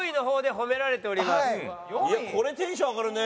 これテンション上がるね。